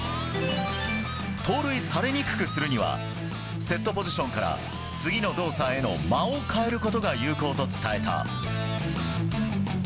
盗塁されにくくするにはセットポジションから次の動作への間を変えることが有効と伝えた。